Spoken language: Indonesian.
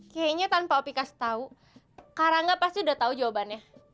kayaknya tanpa opi kasih tau karangga pasti udah tau jawabannya